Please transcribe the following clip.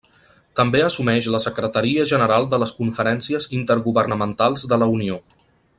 També assumeix la secretaria general de les Conferències Intergovernamentals de la Unió.